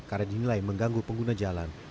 karena dinilai mengganggu pengguna jalan